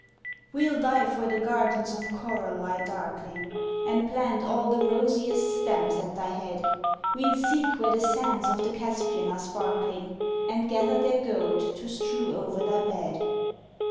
We'll dive where the gardens of coral lie darkling, And plant all the rosiest stems at thy head; We'll seek where the sands of the Caspian are sparkling, And gather their gold to strew over thy bed.